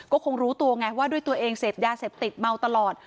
ก็คงรู้ตัวไงว่าด้วยตัวเองเสพยาเสพติดเมาตลอด